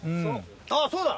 あっそうだ！